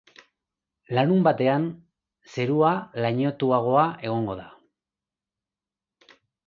Larunbatean zerua lainotuagoa egongo da.